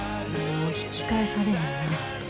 もう引き返されへんなぁて。